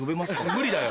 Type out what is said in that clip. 無理だよ